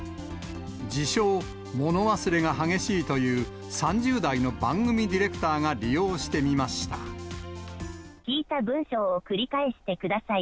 自称、物忘れが激しいという３０代の番組ディレクターが利用してみまし聞いた文章を繰り返してください。